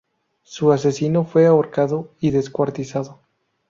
Su asesino fue ahorcado y descuartizado.